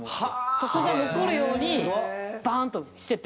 そこが残るようにバーン！としてて。